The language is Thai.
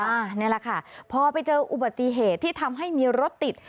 อันนี้แหละค่ะพอไปเจออุบัติเหตุที่ทำให้มีรถติด